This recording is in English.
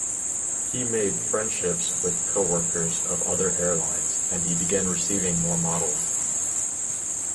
He made friendships with co-workers of other airlines, and he began receiving more models.